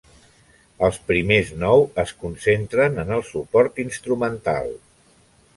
Els primers nou es concentren en el suport instrumental.